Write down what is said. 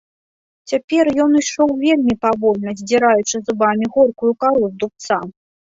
Цяпер ён ішоў вельмі павольна, здзіраючы зубамі горкую кару з дубца.